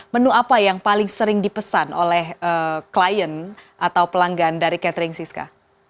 menu apa yang paling sering dipesan oleh klien atau pelanggan dari catering siska